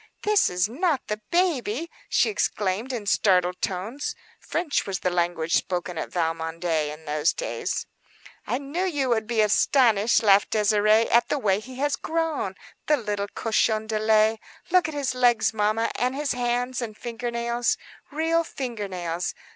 "This is not the baby!" she exclaimed, in startled tones. French was the language spoken at Valmondé in those days. "I knew you would be astonished," laughed Désirée, "at the way he has grown. The little cochon de lait! Look at his legs, mamma, and his hands and finger nails,—real finger nails.